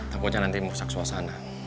takutnya nanti merusak suasana